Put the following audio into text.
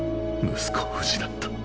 息子を失った。